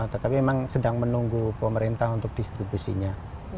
tetapi memang sedang menunggu pemerintah untuk distribusinya